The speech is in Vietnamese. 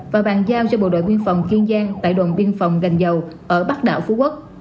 và bàn giao cho bộ đội biên phòng kiên giang tại đồn biên phòng gành dầu ở bắc đảo phú quốc